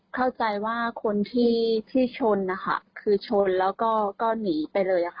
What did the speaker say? เข้าใจว่าคนที่ชนนะคะคือชนแล้วก็หนีไปเลยค่ะ